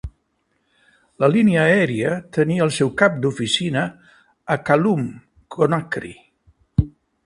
La línia aèria tenia el seu cap d'oficina a Kaloum, Conakry.